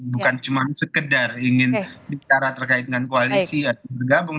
bukan cuma sekedar ingin bicara terkait dengan koalisi atau bergabung